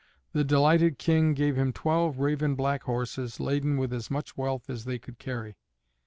The delighted King gave him twelve raven black horses, laden with as much wealth as they could carry.